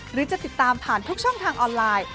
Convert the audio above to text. หรือจะติดตามผ่านทุกช่องทางออนไลน์